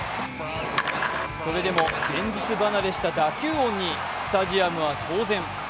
それでも現実離れした打球音にスタジアムは騒然。